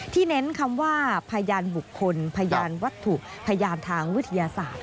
เน้นคำว่าพยานบุคคลพยานวัตถุพยานทางวิทยาศาสตร์